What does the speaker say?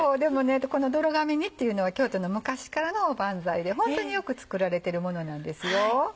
この泥亀煮っていうのは京都の昔からのおばんざいでホントによく作られてるものなんですよ。